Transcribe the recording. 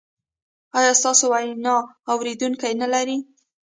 ایا ستاسو ویناوې اوریدونکي نلري؟